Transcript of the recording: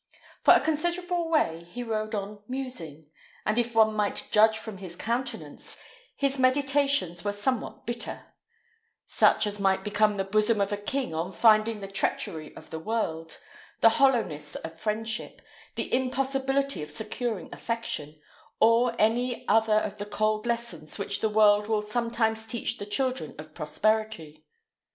For a considerable way he rode on musing, and if one might judge from his countenance, his meditations were somewhat bitter; such as might become the bosom of a king on finding the treachery of the world, the hollowness of friendship, the impossibility of securing affection, or any other of the cold lessons which the world will sometimes teach the children of prosperity.